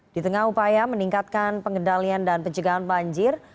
di tengah upaya meningkatkan pengendalian dan pencegahan banjir